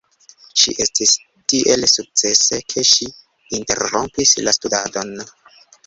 Ŝi estis tiel sukcese, ke ŝi interrompis la studadon.